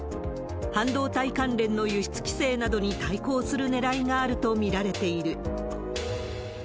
半導体関連の輸出規制などに対抗するねらいがあると見られている。